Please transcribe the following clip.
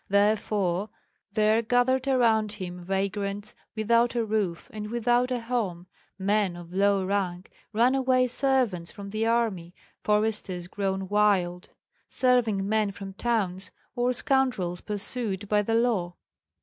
Therefore there gathered around him vagrants without a roof and without a home, men of low rank, runaway servants from the army, foresters grown wild, serving men from towns, or scoundrels pursued by the law.